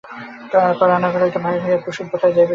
তারপর রান্নাঘর হইতে বাহির হইয়া কুসুম কোথায় যায় কে বলিবে।